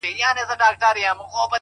خاموشه هڅه تر لوړ غږه اغېزمنه ده!